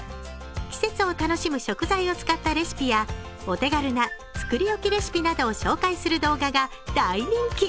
季節を楽しむ食材を使ったレシピや、お手軽な作り置きレシピなどを紹介する動画が大人気。